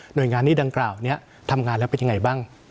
โดยงานนี้ดังกล่าวนี้ทำงานแล้วเป็นยังไงบ้าง